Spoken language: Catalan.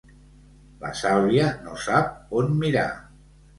La Sàlvia no sap on mirar.